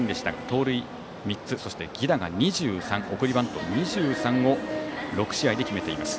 盗塁３つ、そして犠打が２３送りバント２３を６試合で決めています。